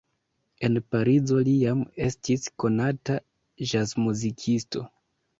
En Parizo li jam estis konata ĵazmuzikisto.